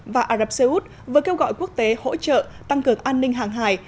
và ả rập xê út vừa kêu gọi quốc tế hỗ trợ tăng cường an ninh hàng hải